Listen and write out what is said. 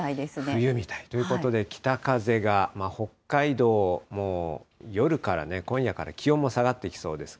冬みたいということで、北風が北海道も夜から、今夜から気温も下がってきそうです。